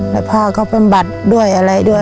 ให้ให้เป็นบัตรด้วยอะไรด้วย